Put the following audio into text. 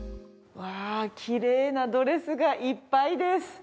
うわきれいなドレスがいっぱいです。